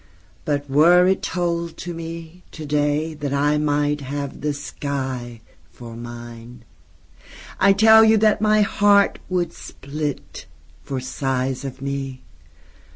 But were it told to me, to day, That I might have the skyFor mine, I tell you that my heartWould split, for size of me.